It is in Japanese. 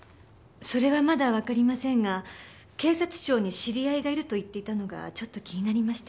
それはまだわかりませんが警察庁に知り合いがいると言っていたのがちょっと気になりまして。